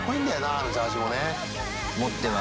あのジャージもね。